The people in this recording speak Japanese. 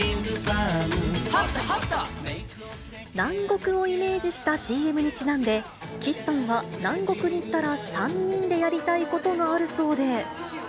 南国をイメージしたＣＭにちなんで、岸さんは、南国に行ったら３人でやりたいことがあるそうで。